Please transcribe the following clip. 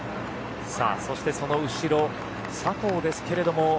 そしてその後ろ佐藤ですけれども。